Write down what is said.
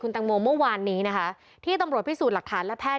ตังโมเมื่อวานนี้นะคะที่ตำรวจพิสูจน์หลักฐานและแพท